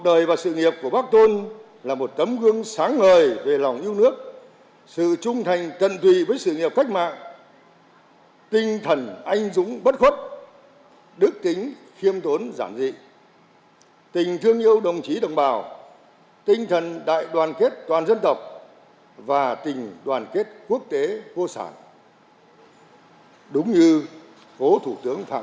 tại tình đoàn kết quốc tế vô sản đúng như cố thủ tướng phạm văn đồng đã khẳng định